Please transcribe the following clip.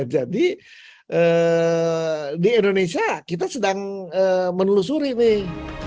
jadi di indonesia kita sedang menelusuri nih